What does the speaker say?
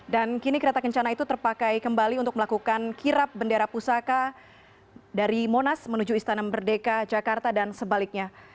dan kini kereta kencana itu terpakai kembali untuk melakukan kirap bendera pusaka dari monas menuju istana merdeka jakarta dan sebaliknya